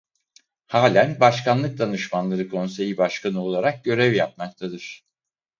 Halen Başkanlık Danışmanları Konseyi Başkanı olarak görev yapmaktadır.